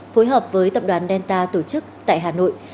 phối hợp với tập đoàn delta tổ chức tại hà nội